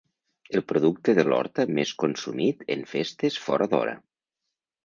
El producte de l'horta més consumit en festes fora d'hora.